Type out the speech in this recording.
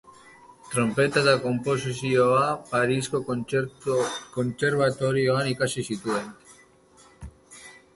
Tronpeta eta konposizioa Parisko Kontserbatorioan ikasi zituen.